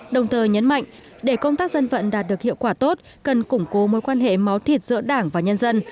đồng thời nhấn mạnh để công tác dân vận đạt được hiệu quả tốt cần củng cố mối quan hệ máu thịt giữa đảng và nhân dân